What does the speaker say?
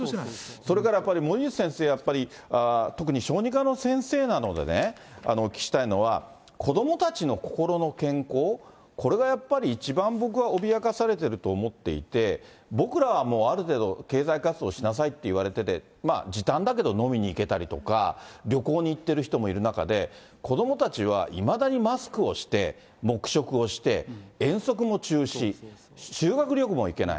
それからやっぱり、森内先生、やっぱり、特に小児科の先生なので、お聞きしたいのは、子どもたちの心の健康、これがやっぱり一番僕は脅かされていると思っていて、僕らはもう、ある程度、経済活動しなさいって言われてて、時短だけど飲みに行けたりとか、旅行に行ってる人もいる中で、子どもたちは、いまだにマスクをして、黙食をして、遠足も中止、修学旅行も行けない。